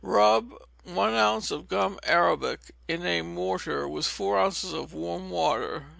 Rub one ounce of gum arabic in a mortar, with four ounces of warm water.